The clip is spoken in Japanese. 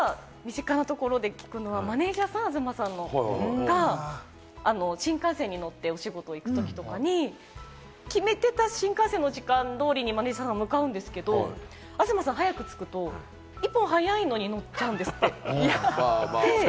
身近なところで聞くのは東さんのマネジャーさん、新幹線に乗ってお仕事行くときとかに、決めてた新幹線の時間通りにマネジャーさんは向かうんですけれども、東さん、早く着くと、１本早いのに乗っちゃうんですって。